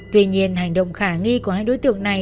tuy nhiên hành động khả nghi của hai đối tượng này